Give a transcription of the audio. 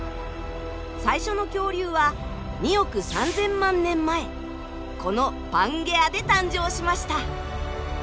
最初の恐竜は２億３，０００万年前このパンゲアで誕生しました。